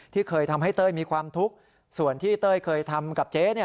เคยทำให้เต้ยมีความทุกข์ส่วนที่เต้ยเคยทำกับเจ๊